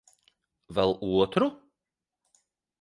Vēl otru?